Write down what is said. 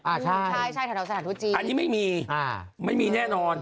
อ่าใช่ใช่ฐานละนอกสถานทูตจีนด้วยอันนี้ไม่มีไม่มีแน่นอน